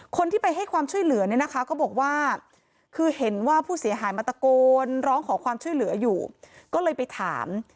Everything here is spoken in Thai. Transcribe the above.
คนที่ไปให้ความช่วยเหลือเนี่ยนะคะก็บอกว่าคือเห็นว่าผู้เสียหายมาตะโกนร้องขอความช่วยเหลืออยู่ก็เลยไปถาม